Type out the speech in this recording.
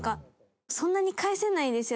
そんなに返せないですよ